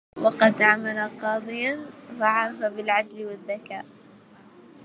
وقد عمل قاضياً فعُرف بالعدل والذكاء.